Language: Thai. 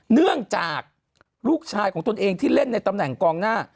เนื่องจากลูกชายของตนเองที่เล่นในตำแหน่งกองหน้า